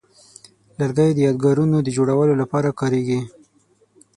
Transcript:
لرګی د یادګارونو د جوړولو لپاره کاریږي.